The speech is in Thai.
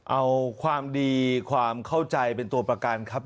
เอาความดีความเข้าใจเป็นตัวประกันครับ